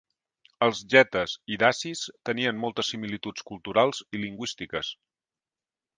Els getes i dacis tenien moltes similituds culturals i lingüístiques.